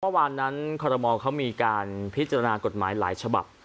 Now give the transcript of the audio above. เมื่อวานนั้นคอรมอลเขามีการพิจารณากฎหมายหลายฉบับ